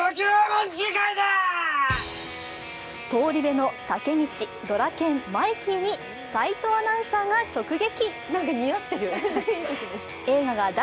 「東リベ」の武道、ドラケン、マイキーに齋藤アナウンサーが直撃。